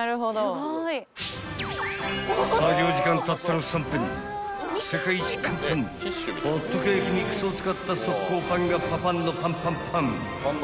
［作業時間たったの３分世界一簡単ホットケーキミックスを使った速攻パンがパパンのパンパンパン］